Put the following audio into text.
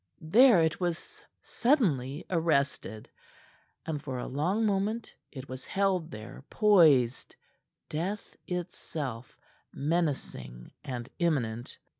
There it was suddenly arrested, and for a long moment it was held there poised, death itself, menacing and imminent.